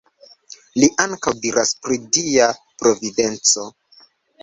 Li ankaŭ diras pri Dia Providenco.